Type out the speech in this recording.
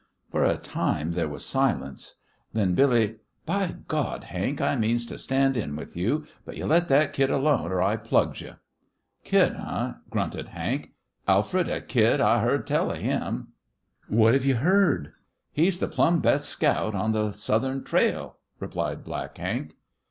For a time there was silence. Then Billy, "By God, Hank, I means to stand in with you, but you let that kid alone, or I plugs you!" "Kid, huh!" grunted Hank. "Alfred a kid! I've hearn tell of him." "What've you heard?" inquired the girl. "He's th' plumb best scout on th' southern trail," replied Black Hank.